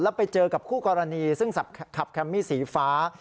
ไปเจอกับคู่กรณีซึ่งขับแคมมี่สีฟ้า